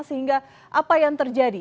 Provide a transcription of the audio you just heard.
sehingga apa yang terjadi